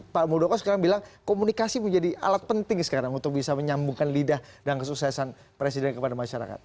pak muldoko sekarang bilang komunikasi menjadi alat penting sekarang untuk bisa menyambungkan lidah dan kesuksesan presiden kepada masyarakat